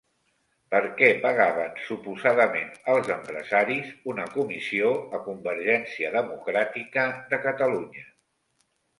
Per què pagaven suposadament els empresaris una comissió a Convergència Democràtica de Catalunya?